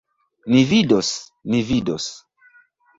Ni vidos, ni vidos!